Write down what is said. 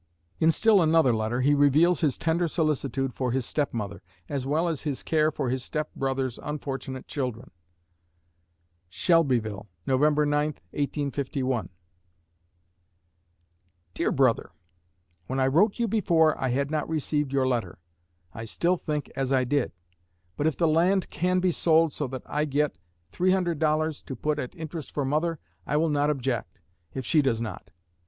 In still another letter he reveals his tender solicitude for his step mother, as well as his care for his step brother's unfortunate children. Shelbyville, Nov. 9, 1851 DEAR BROTHER: When I wrote you before, I had not received your letter. I still think as I did; but if the land can be sold so that I get $300 to put at interest for mother, I will not object, if she does not.